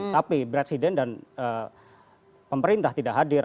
tapi presiden dan pemerintah tidak hadir